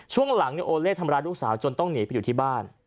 ช่วงหลังโอเล่ทำร้ายลูกสาวจนต้องหนีไปอยู่ที่บ้าน